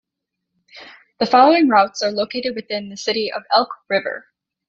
The following routes are located within the city of Elk River.